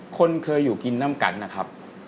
คนเคยอยู่กินน้ำกันนะครับ